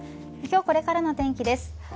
今日これからの天気です。